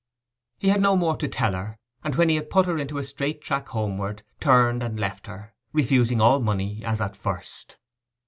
He had no more to tell her; and, when he had put her into a straight track homeward, turned and left her, refusing all money as at first.